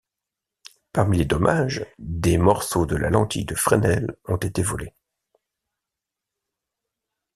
Parmi les dommages, des morceaux de la lentille de Fresnel ont été volés.